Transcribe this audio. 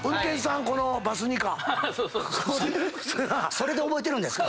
それで覚えてるんですか？